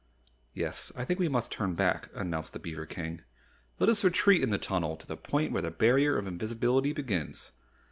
"Yes, I think we must turn back," announced the beaver King. "Let us retreat in the tunnel to the point where the Barrier of Invisibility begins.